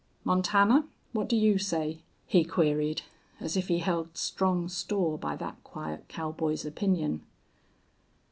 "Montana, what do you say?" he queried, as if he held strong store by that quiet cowboy's opinion.